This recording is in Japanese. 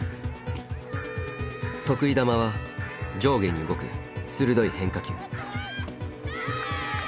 得意球は上下に動く鋭い変化球。